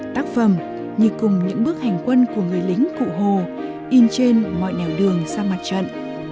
tác phẩm như cùng những bước hành quân của người lính cụ hồ in trên mọi nẻo đường sang mặt trận